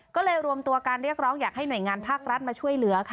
ก็เลยรวมตัวการเรียกร้องอยากให้หน่วยงานภาครัฐมาช่วยเหลือค่ะ